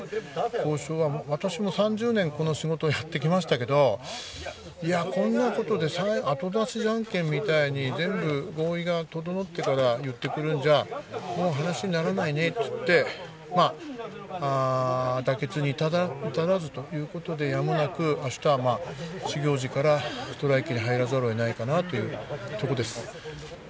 交渉は私も３０年この仕事をやってきましたけどいやこんなことで後出しじゃんけんみたいに全部合意が整ってから言ってくるんじゃもう話にならないねっていってまあ妥結に至らずということでやむなく明日は始業時からストライキに入らざるを得ないかなというとこです。